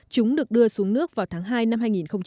chúng được đưa xuống nước vào tháng hai năm hai nghìn một mươi sáu